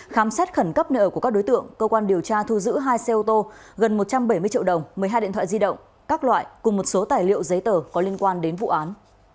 khám xét khẩn cấp nợ của các đối tượng cơ quan điều tra thu giữ hai xe ô tô gần một trăm bảy mươi triệu đồng một mươi hai điện thoại di động các loại cùng một số tài liệu giấy tờ có liên quan đến vụ án